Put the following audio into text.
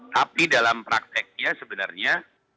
tapi dalam prakteknya sebenarnya